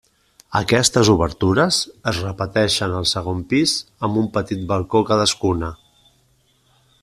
Aquestes obertures es repeteixen al segon pis amb un petit balcó cadascuna.